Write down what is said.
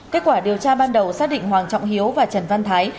kết quả điều tra ban đầu xác định hoàng trọng hiếu và trần văn thái